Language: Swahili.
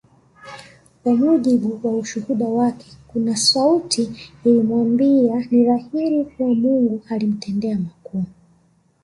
Kwa mujibu wa ushuhuda wake kuna sauti ilimwambia ni dhahiri kuwa Mungu alimtendea makuu